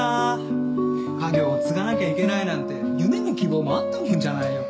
家業を継がなきゃいけないなんて夢も希望もあったもんじゃないよ。